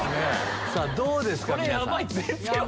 さぁどうですか？